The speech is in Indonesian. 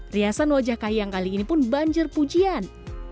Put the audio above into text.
riasan wajah kahiyang kali ini pun banjir pujian